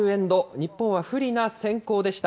日本は不利な先攻でした。